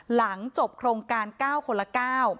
หลังจบโครงการ๙คนละ๙